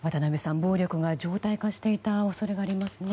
暴力が常態化していた恐れがありますね。